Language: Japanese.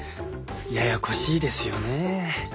ややこしいですよねえ。